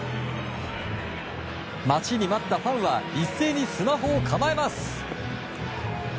待ちに待ったファンは一斉にスマホを構えます。